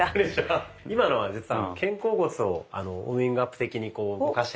今のは実は肩甲骨をウォーミングアップ的に動かしてた。